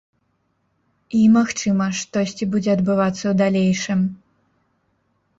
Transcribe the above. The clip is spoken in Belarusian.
І магчыма штосьці будзе адбывацца ў далейшым.